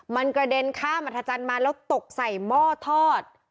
มันกระเด็นข้ามอัธจันทร์มาแล้วตกใส่หม้อทอด